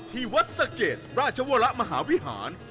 ที่วัดสะเกดราชวรมหาวิหาร